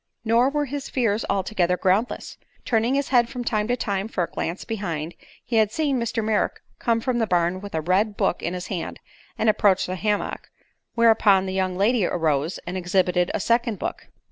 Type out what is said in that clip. Nor were his fears altogether groundless. Turning his head from time to time for a glance behind, he had seen Mr. Merrick come from the barn with a red book in his hand and approach the hammock, whereupon the young lady arose and exhibited a second book.